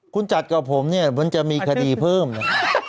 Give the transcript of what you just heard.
คุณจัดกับผมเนี่ยมันจะมีคดีเพิ่มนะ